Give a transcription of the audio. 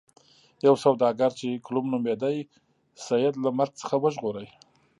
یو سوداګر چې کلوم نومیده سید له مرګ څخه وژغوره.